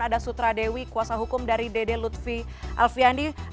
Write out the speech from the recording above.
ada sutra dewi kuasa hukum dari dede lutfi alfiandi